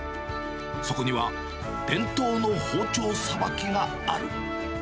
そこには、伝統の包丁さばきがある。